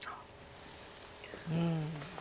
うん。